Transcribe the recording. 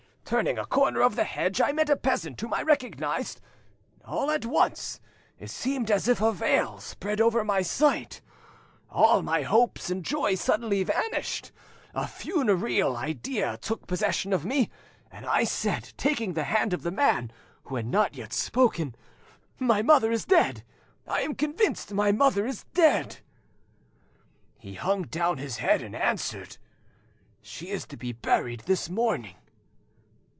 Turning a corner of the hedge, I met a peasant whom I recognised. All at once it seemed as if a veil spread over my sight, all my hopes and joy suddenly vanished, a funereal idea took possession of me, and I said, taking the hand of the man, who had not yet spoken— "'My mother is dead, I am convinced my mother is dead!' "He hung down his head and answered— "'She is to be buried this morning!